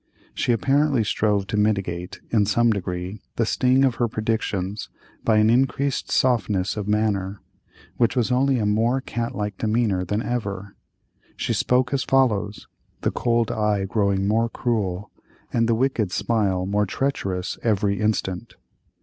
She apparently strove to mitigate, in some degree, the sting of her predictions by an increased softness of manner, which was only a more cat like demeanor than ever. She spoke as follows—the cold eye growing more cruel, and the wicked smile more treacherous every instant.